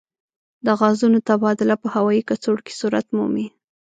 د غازونو تبادله په هوايي کڅوړو کې صورت مومي.